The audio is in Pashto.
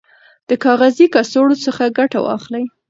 د کاغذي کڅوړو څخه ګټه واخلئ.